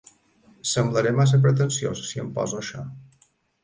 Semblaré massa pretensiós si em poso això?